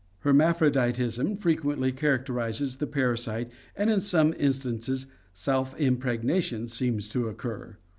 Hermaphroditism frequently char acterizes the parasite and in some instances self impregnation seems to occur.